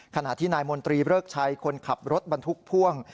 ขณะที่นายมนตรีเริกชัยคนขับรถบรรทุกพ่วง